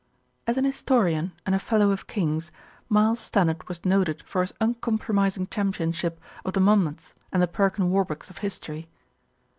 As an historian and a Fellow of Kings, Miles Stan nard was noted for his uncompromising champion ship of the Monmouths and the Perkin Warbecks of history.